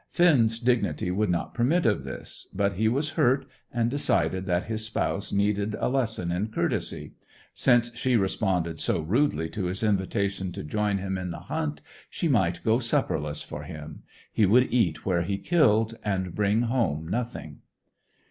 Finn's dignity would not permit of this, but he was hurt, and decided that his spouse needed a lesson in courtesy. Since she responded so rudely to his invitation to join him in the hunt, she might go supperless for him; he would eat where he killed, and bring home nothing.